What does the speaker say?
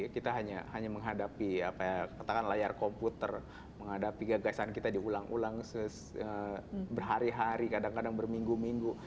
kita hanya menghadapi apa ya katakan layar komputer menghadapi gagasan kita diulang ulang berhari hari kadang kadang berminggu minggu